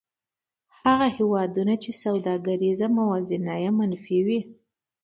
هغه هېوادونه چې سوداګریزه موازنه یې منفي وي